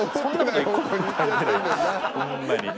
ほんまに。